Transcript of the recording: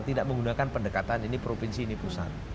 tidak menggunakan pendekatan ini provinsi ini pusat